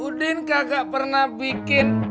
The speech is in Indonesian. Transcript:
udin kagak pernah bikin